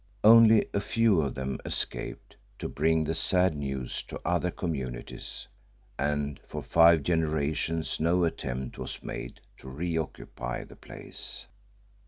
Only a few of them escaped to bring the sad news to other communities, and for five generations no attempt was made to re occupy the place.